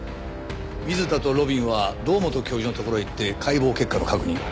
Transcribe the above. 水田と路敏は堂本教授のところへ行って解剖結果の確認。